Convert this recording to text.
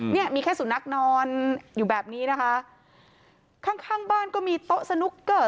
เนี่ยมีแค่สุนัขนอนอยู่แบบนี้นะคะข้างข้างบ้านก็มีโต๊ะสนุกเกอร์